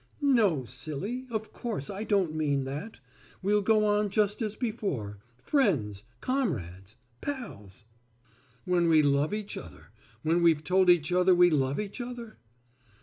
"No, silly, of course I don't mean that. We'll go on just as before, friends, comrades, pals." "When we love each other when we've told each other we love each other?"